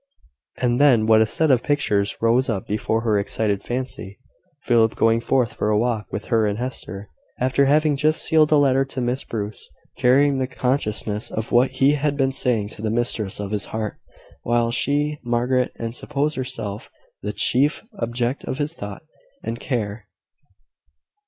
And then what a set of pictures rose up before her excited fancy! Philip going forth for a walk with her and Hester, after having just sealed a letter to Miss Bruce, carrying the consciousness of what he had been saying to the mistress of his heart, while she, Margaret, had supposed herself the chief object of his thought and care!